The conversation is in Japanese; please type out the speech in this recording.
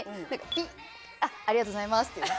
ピッありがとうございます。と思って。